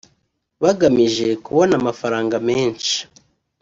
bagamije kubona amafaranga menshi